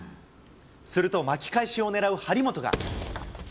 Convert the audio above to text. すると巻き返しを狙う張本が。